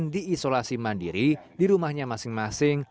diisolasi mandiri di rumahnya masing masing